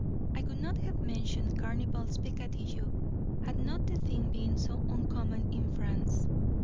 I would not have mentioned Carnival's peccadillo had not the thing been so uncommon in France.